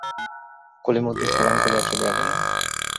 কলিমদ্দি সেলাম করিয়া চলিয়া গেল।